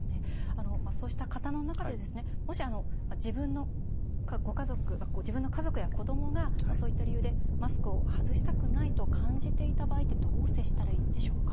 そうした方の中でもし自分の家族や子どもがそういった理由でマスクを外したくないと感じた場合ってどう接したらいいでしょうか？